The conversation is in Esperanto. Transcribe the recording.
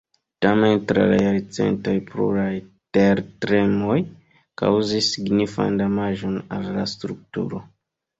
Tamen tra la jarcentoj pluraj tertremoj kaŭzis signifan damaĝon al la strukturo.